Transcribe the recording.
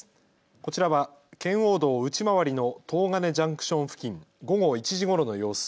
こちらは圏央道内回りの東金ジャンクション付近、午後１時ごろの様子。